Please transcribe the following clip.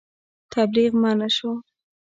تبلیغ منع شو.